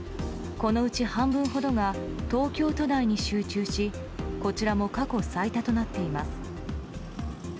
このうち半分ほどが東京都内に集中しこちらも過去最多となっています。